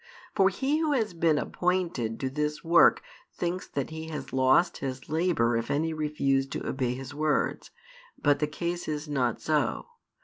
For he who has been appointed to this work thinks that he has lost his labour if any refuse to obey his words. But the case is not so.